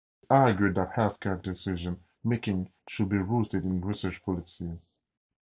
She argued that healthcare decision making should be rooted in research policies.